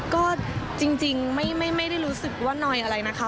ก็จริงไม่ได้รู้สึกว่าหน่อยอะไรนะคะ